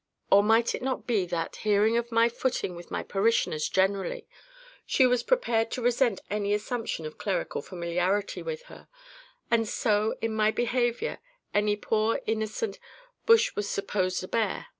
Or might it not be that, hearing of my footing with my parishioners generally, she was prepared to resent any assumption of clerical familiarity with her; and so, in my behaviour, any poor innocent "bush was supposed a bear."